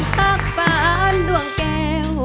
ปักปานดวงแก่ว